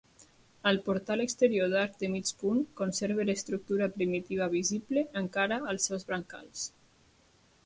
El portal exterior d'arc de mig punt, conserva l'estructura primitiva visible encara als seus brancals.